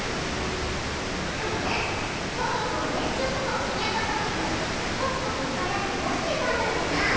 でもね尊徳は年収こそ少にゃかったけどコツコツお金を増やしていたんだよにゃ。